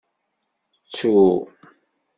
Ttu!